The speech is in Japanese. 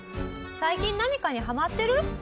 最近何かにハマってる？